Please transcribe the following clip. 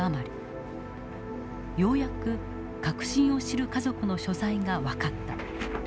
ようやく核心を知る家族の所在が分かった。